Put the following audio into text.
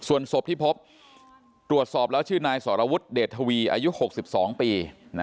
ส่วนศพที่พบตรวจสอบแล้วชื่อนายสรวุฒิเดชทวีอายุ๖๒ปี